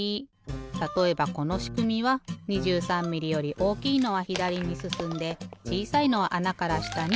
たとえばこのしくみは２３ミリより大きいのはひだりにすすんでちいさいのはあなからしたにおちる。